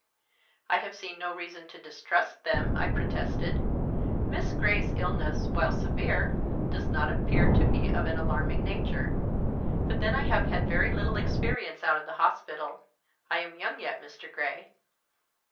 "I have seen no reason to distrust them," I protested. "Miss Grey's illness, while severe, does not appear to be of an alarming nature. But then I have had very little experience out of the hospital. I am young yet, Mr. Grey."